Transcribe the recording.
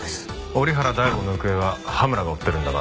折原大吾の行方は羽村が追ってるんだな？